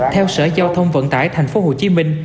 theo sở giao thông vận tải tp hcm